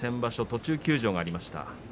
途中休場がありました。